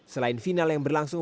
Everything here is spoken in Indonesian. selain final yang berlangsung